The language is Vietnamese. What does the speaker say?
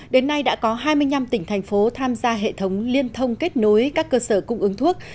đến nay đã có hai mươi năm tỉnh thành phố tham gia hệ thống liên thông kết nối các cơ sở cung ứng thuốc